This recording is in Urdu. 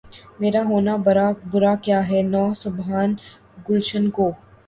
میرا ہونا برا کیا ہے‘ نوا سنجانِ گلشن کو!